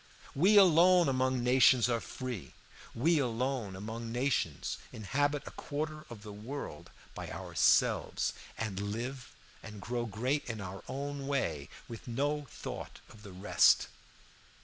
We alone among nations are free, we alone among nations inhabit a quarter of the world by ourselves, and live and grow great in our own way with no thought of the rest.